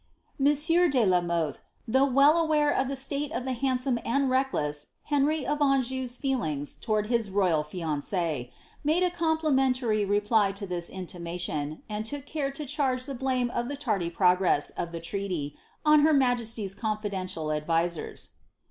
Mcnsieur de la Mothe, though well aware of the state of the hand lome and reckless Henry of Anjou's feelings towards his royal JUincee^ mule a complimentary reply to this intimation, and took care to charge ihe blame of the tardy progress of the treaty on her majesty's confiden tial advisers.